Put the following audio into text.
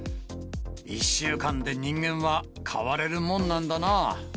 １週間で人間は変われるもんなんだなぁ。